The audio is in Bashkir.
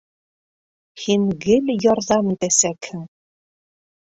Һин гел ярҙам итәсәкһең.